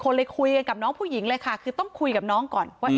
เลยคุยกันกับน้องผู้หญิงเลยค่ะคือต้องคุยกับน้องก่อนว่า